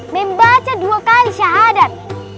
membaca dua kali syahadat